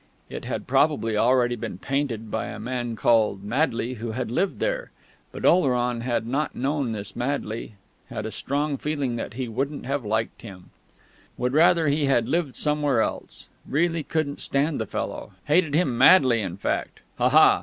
It had probably already been painted, by a man called Madley who had lived there ... but Oleron had not known this Madley had a strong feeling that he wouldn't have liked him would rather he had lived somewhere else really couldn't stand the fellow hated him, Madley, in fact. (Aha!